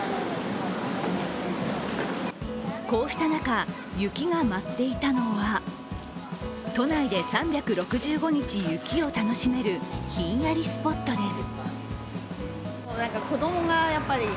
こうした中、雪が舞っていたのは、都内で３６５日、雪を楽しめるひんやりスポットです。